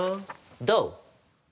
どう？